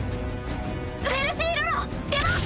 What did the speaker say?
フェルシー・ロロ出ます！